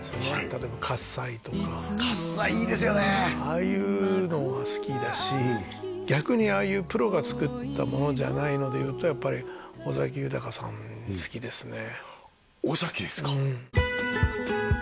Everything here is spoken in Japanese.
例えば「喝采」とか「喝采」いいですよねああいうのは好きだし逆にああいうプロが作ったものじゃないのでいうとやっぱり尾崎豊さん好きですね